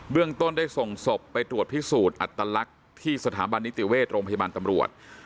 เรื่องต้นได้ส่งศพไปตรวจพิสูจน์อัตลักษณ์ที่สถาบันนิติเวชโรงพยาบาลตำรวจ